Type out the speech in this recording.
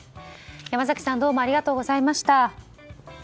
山崎さんどうもありがとうございました。